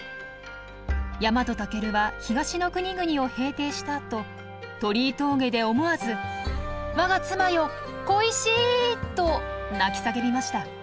日本武尊は東の国々を平定したあと鳥居峠で思わず「我が妻よ恋しい！」と泣き叫びました。